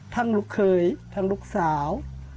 ลูกเคยทั้งลูกสาว